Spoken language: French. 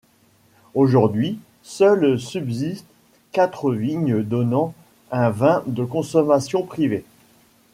Aujourd'hui seules subsistent quatre vignes donnant un vin de consommation privée.